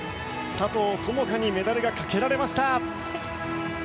今、佐藤友花にメダルがかけられました。